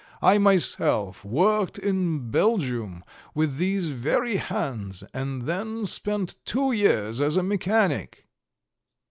I myself worked in Belgium with these very hands and then spent two years as a mechanic.